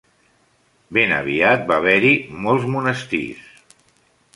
Ben aviat va haver-hi molts monestirs.